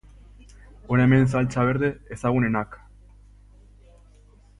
Hona hemen saltsa berde ezagunenak.